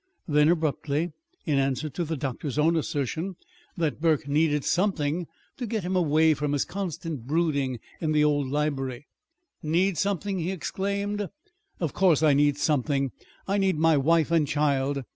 Then, abruptly, in answer to the doctor's own assertion that Burke needed something to get him away from his constant brooding in the old library, "Need something?" he exclaimed. "Of course I need something! I need my wife and child.